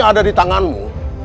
ada di tanganmu